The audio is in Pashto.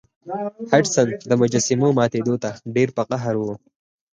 هډسن د مجسمو ماتیدو ته ډیر په قهر و.